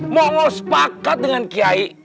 mongol sepakat dengan kiai